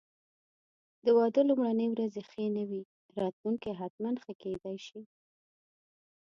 که د واده لومړني ورځې ښې نه وې، راتلونکی حتماً ښه کېدای شي.